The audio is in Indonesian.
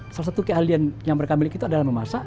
salah satu keahlian yang mereka miliki itu adalah memasak